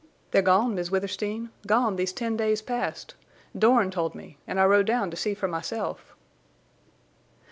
"They're gone, Miss Withersteen, gone these ten days past. Dorn told me, and I rode down to see for myself."